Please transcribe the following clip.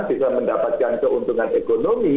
bisa mendapatkan keuntungan ekonomi